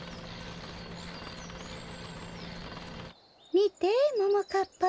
みてももかっぱ。